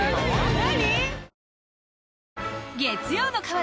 何？